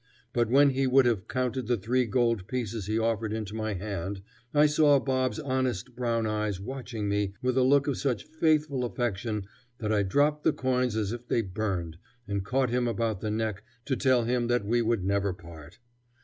But when he would have counted the three gold pieces he offered into my hand, I saw Bob's honest brown eyes watching me with a look of such faithful affection that I dropped the coins as if they burned, and caught him about the neck to tell him that we would never part.